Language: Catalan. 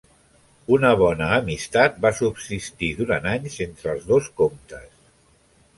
Una bona amistat va subsistir durant anys entre els dos comtes.